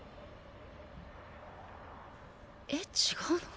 えっ違うの？